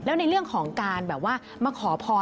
แล้วในเรื่องของการแบบว่ามาขอพร